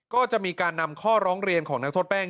ก็จะมีการนำข้อร้องเรียนของนักโทษแป้ง